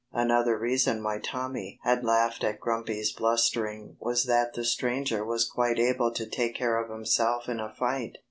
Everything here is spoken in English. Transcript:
Another reason why Tommy had laughed at Grumpy's blustering was that the stranger was quite able to take care of himself in a fight.